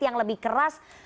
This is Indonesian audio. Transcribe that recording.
yang lebih keras